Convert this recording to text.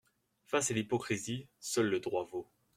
Face à l’hypocrisie, seul le droit vaut.